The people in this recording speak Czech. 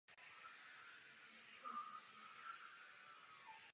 Jsou obvykle dost lehké a velkou část tvoří organické zbytky.